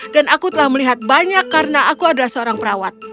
dan aku telah melihat banyak karena aku adalah seorang perawat